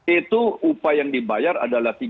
itu upaya yang dibayar adalah